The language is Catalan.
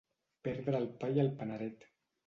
Perdre el pa i el paneret.